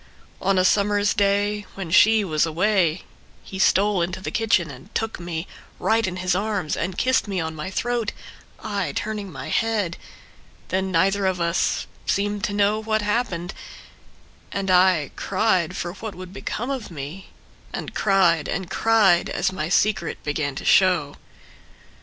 On a summer's day when she was away He stole into the kitchen and took me Right in his arms and kissed me on my throat, I turning my head. Then neither of us Seemed to know what happened. And I cried for what would become of me. And cried and cried as my secret began to show.